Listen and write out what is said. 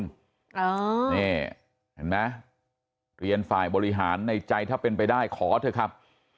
นี่เห็นไหมเรียนฝ่ายบริหารในใจถ้าเป็นไปได้ขอเถอะครับ